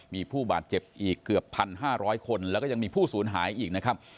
มีผู้บาดเจ็บอีกเกือบ๑๕๐๐คนแล้วก็ยังมีผู้สูญหายอีกนะครับ